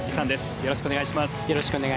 よろしくお願いします。